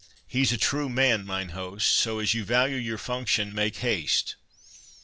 —He's a true man mine host; so, as you value your function, make haste."